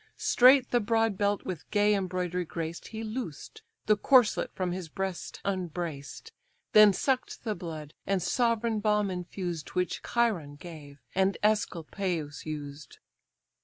Straight the broad belt with gay embroidery graced, He loosed; the corslet from his breast unbraced; Then suck'd the blood, and sovereign balm infused, Which Chiron gave, and Æsculapius used.